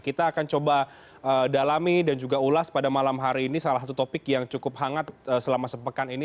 kita akan coba dalami dan juga ulas pada malam hari ini salah satu topik yang cukup hangat selama sepekan ini